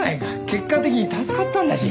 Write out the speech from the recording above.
結果的に助かったんだし。